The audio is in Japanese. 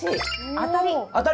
当たり！